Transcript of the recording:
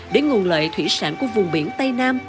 để nguồn lợi thủy sản của vùng biển tây nam